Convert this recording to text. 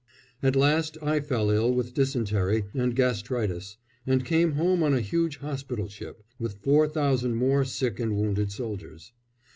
At last I fell ill with dysentery and gastritis, and came home on a huge hospital ship, with four thousand more sick and wounded soldiers.